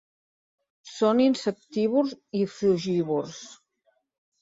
Són insectívors i frugívors.